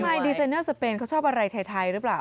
ดีไซเนอร์สเปนเขาชอบอะไรไทยหรือเปล่า